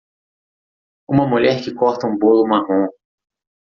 Uma mulher que corta um bolo marrom.